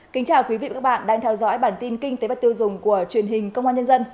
kính chào quý vị và các bạn đang theo dõi bản tin kinh tế và tiêu dùng của truyền hình công an nhân dân